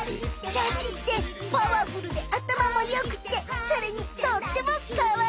シャチってパワフルであたまもよくてそれにとってもかわいかった。